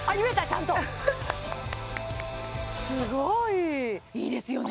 ちゃんとすごいいいいいですよね